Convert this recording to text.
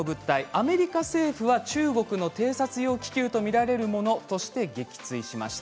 アメリカ政府は中国の偵察用気球と見られるものとして撃墜しました。